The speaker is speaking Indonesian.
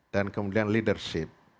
dan kemudian leadership